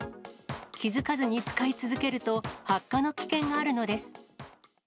気付かずに使い続けると発火の危険があるのです。